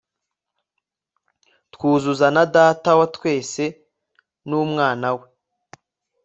twuzura na Data wa Twese nUmwana we